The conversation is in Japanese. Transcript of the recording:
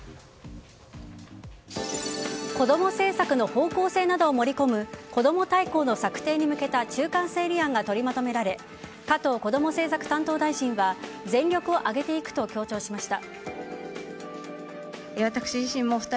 子供政策の方向性などを盛り込むこども大綱の策定に向けた中間整理案が取りまとめられ加藤こども政策担当大臣は全力を挙げていくと強調しました。